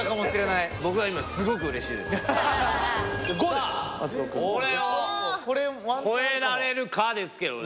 さぁこれを超えられるかですけどね